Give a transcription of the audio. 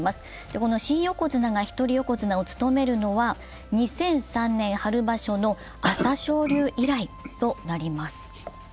この新横綱が一人横綱を務めるのは２００３年春場所の朝青龍以来となります。